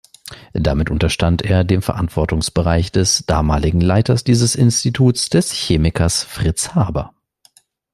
Damit unterstand er dem Verantwortungsbereich des damaligen Leiters dieses Instituts, des Chemikers Fritz Haber.